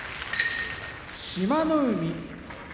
志摩ノ海